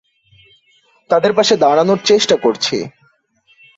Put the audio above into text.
তাঁদের পাশে দাঁড়ানোর চেষ্টা করেছি।